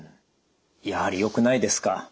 やはりよくないですか？